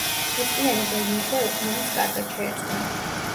კრისტიანი და ლუიზა ერთმანეთს კარგად შეეწყვნენ.